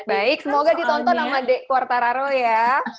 baik semoga ditonton sama dek quartararo ya